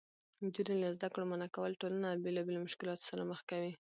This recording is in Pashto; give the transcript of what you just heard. نجونې له زده کړو منعه کول ټولنه له بېلابېلو مشکلاتو سره مخ کوي.